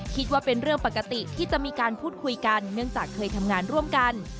คิดว่าเป็นเรื่องปกติที่จะมีการพูดคุยกันเนื่องจากเคยทำงานร่วมกัน